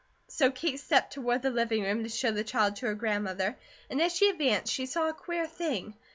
so Kate stepped toward the living room to show the child to her grandmother and as she advanced she saw a queer thing.